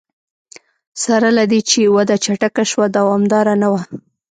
سره له دې چې وده چټکه شوه دوامداره نه وه.